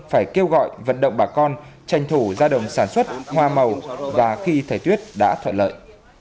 phải kêu gọi vận động bà con tranh thủ ra đồng sản xuất hoa màu và khi thời tiết đã thuận lợi